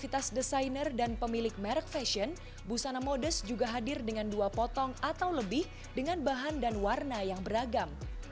fasilitas desainer dan pemilik merek fashion busana modest juga hadir dengan dua potong atau lebih dengan bahan dan warna yang beragam